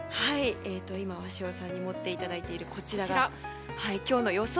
鷲尾さんに持っていただいているこちらが今日の予想